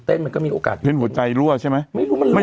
เต้นมันก็มีโอกาสเต้นหัวใจรั่วใช่ไหมไม่รู้มันรั่วไม่